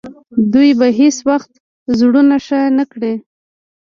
دوی به هیڅ وخت زړونه ښه نه کړي.